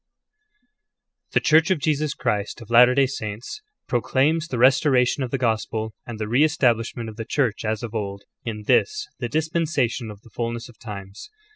The Church of Jesus Christ of Latter day Saints pro claims the restoration of the Gospel, and the re establishment of the Church as of old, in this, the Dispensation of the Fulness of Times.